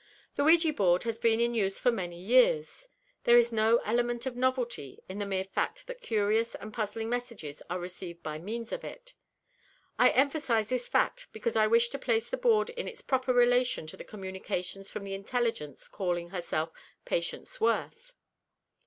The ouija board has been in use for many years. There is no element of novelty in the mere fact that curious and puzzling messages are received by means of it. I emphasize this fact because I wish to place the board in its proper relation to the communications from the intelligence calling herself Patience Worth.